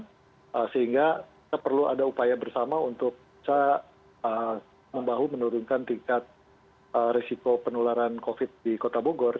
sehingga kita perlu ada upaya bersama untuk bisa membahu menurunkan tingkat resiko penularan covid di kota bogor